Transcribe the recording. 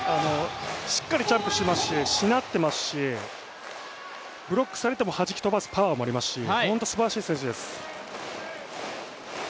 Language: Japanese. しっかりジャンプしてますししなってますし、ブロックされてもはじき飛ばすパワーもありますし本当にすばらしい選手です。